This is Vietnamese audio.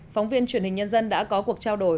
phóng viên truyền hình nhân dân đã có cuộc trao đổi